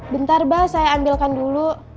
bentar bah saya ambilkan dulu